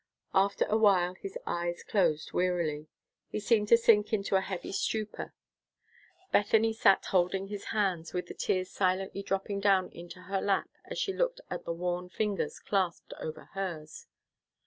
After awhile his eyes closed wearily. He seemed to sink into a heavy stupor. Bethany sat holding his hand, with the tears silently dropping down into her lap as she looked at the worn fingers clasped over hers.